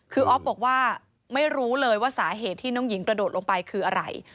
คืออ๊อฟบอกว่าไม่รู้เลยว่าสาเหตุที่น้องหญิงกระโดดลงไปคืออะไร